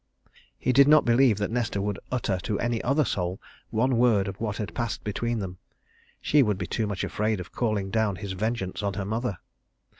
He did not believe that Nesta would utter to any other soul one word of what had passed between them: she would be too much afraid of calling down his vengeance on her mother.